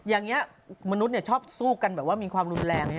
อย่างนี้มนุษย์ชอบสู้กันแบบว่ามีความรุนแรง